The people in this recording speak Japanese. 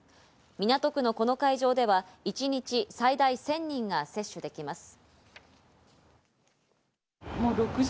港区のこの会場では一日最大１０００人が接種できます。